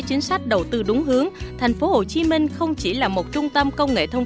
chính sách đầu tư đúng hướng thành phố hồ chí minh không chỉ là một trung tâm công nghệ thông